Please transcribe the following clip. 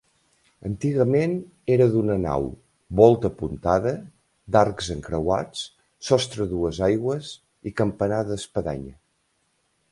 Antigament era d'una nau, volta apuntada, d'arcs encreuats, sostre a dues aigües i campanar d'espadanya.